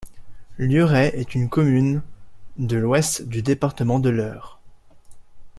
Lieurey est une commune de l'Ouest du département de l'Eure.